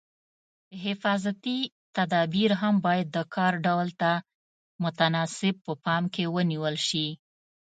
حفاظتي تدابیر هم باید د کار ډول ته متناسب په پام کې ونیول شي.